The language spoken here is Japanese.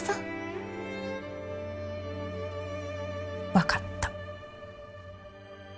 分かった。